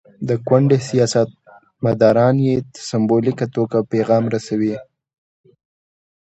د کونډې سیاستمداران یې سمبولیکه توګه پیغام رسوي.